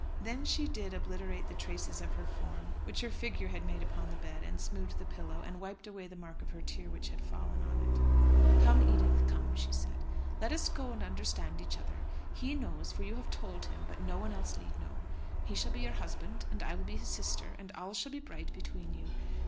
Then she did obliterate the traces of her form which her figure had made upon the bed, and smoothed the pillow, and wiped away the mark of her tear which had fallen on it. "Come, Edith, come," said she, "let us go and understand each other. He knows, for you have told him, but no one else need know. He shall be your husband, and I will be his sister, and all shall be bright between you."